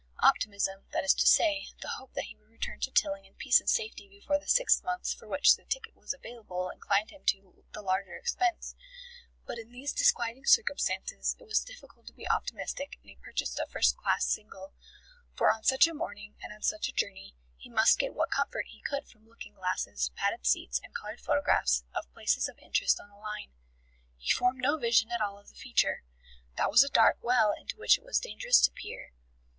Optimism, that is to say, the hope that he would return to Tilling in peace and safety before the six months for which the ticket was available inclined him to the larger expense, but in these disquieting circumstances, it was difficult to be optimistic and he purchased a first class single, for on such a morning, and on such a journey, he must get what comfort he could from looking glasses, padded seats and coloured photographs of places of interest on the line. He formed no vision at all of the future: that was a dark well into which it was dangerous to peer.